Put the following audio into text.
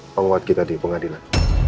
penguat kita di pengadilan